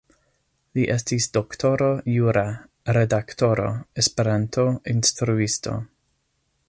Li estis doktoro jura, redaktoro, Esperanto-instruisto.